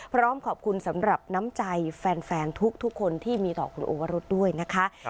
พร้อมขอบคุณสำหรับน้ำใจแฟนทุกคนที่มีต่อคุณโอวรุษด้วยนะคะ